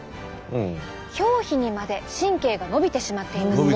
表皮にまで神経が伸びてしまっています。